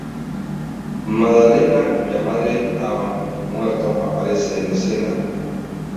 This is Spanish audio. Maddalena, cuya madre ya ha muerto, aparece en escena.